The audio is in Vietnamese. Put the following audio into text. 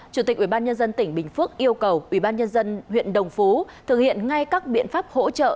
chủ tịch ubnd tỉnh bình phước yêu cầu ubnd huyện đồng phú thực hiện ngay các biện pháp hỗ trợ